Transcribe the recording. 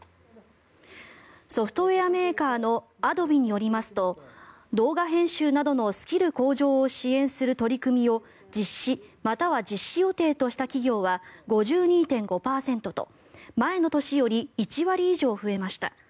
ソフトウェアメーカーのアドビによりますと動画編集などのスキル向上を支援する取り組みを実施または実施予定とした企業は５２．５％と前の年より１割以上増えました。